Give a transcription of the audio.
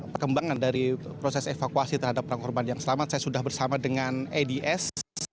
perkembangan dari proses evakuasi terhadap orang korban yang selamat saya sudah bersama dengan eds